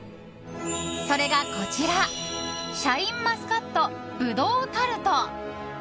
それが、こちらシャインマスカット葡萄タルト。